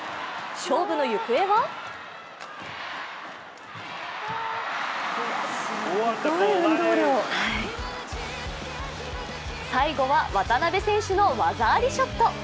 勝負の行方は最後は渡辺選手の技ありショット。